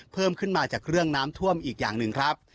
เพิ่มขึ้นมาจากเรื่องน้ำท่วมอีกอย่างหนึ่งครับ